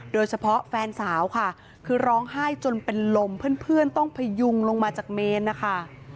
โดยเฉพาะแฟนสาวค่ะคือร้องไห้จนเป็นลมเพื่อนต้องพยุงลงมาจากเมนนะคะ